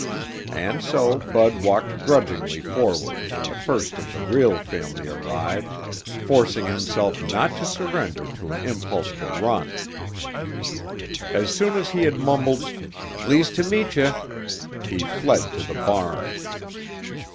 And so Bud walked grudgingly forward when the first of the real family arrived, forcing himself not to surrender to an impulse to run. As soon as he had mumbled "Pleased t'meetcha," he fled to the barn.